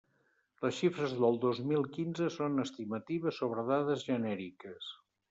Les xifres del dos mil quinze són estimatives sobre dades genèriques.